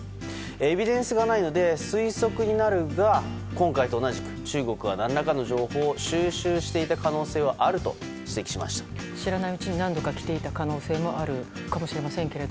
エビデンスがないので推測になるが、今回と同じく中国は何らかの情報を収集していた可能性があると知らないうちに何度か来ていた可能性もあるかもしれませんけど